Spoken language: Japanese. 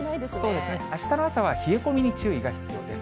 そうですね、あしたの朝は冷え込みに注意が必要です。